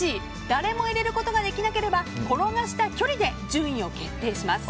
誰も入れることができなければ転がした距離で順位を決定します。